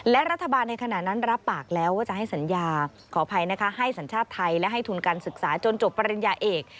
และรัฐบาลในขณะนั้นรับปากแล้วว่าจะให้สัญญาขออภัยนะคะให้สัญชาติไทยและให้ทุนการศึกษาจนจบปริญญาเอก